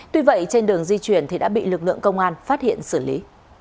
tuy vậy trên đường di chuyển thì đã bị lực lượng công an phát hiện xử lý